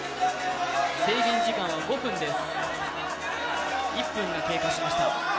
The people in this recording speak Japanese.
制限時間は５分です。